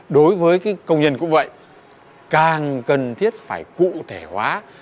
đối với công nhân cũng vậy càng cần thiết phải cụ thể hóa